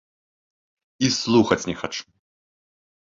І слухаць не хачу!